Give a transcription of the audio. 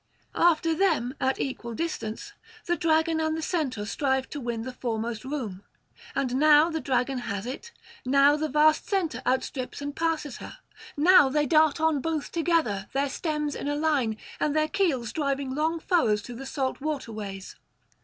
After them, at equal distance, the Dragon and the Centaur strive to win the foremost room; and now the Dragon has it, now the vast Centaur outstrips and passes her; now they dart on both together, their stems in a line, and their keels driving long furrows through the salt water ways.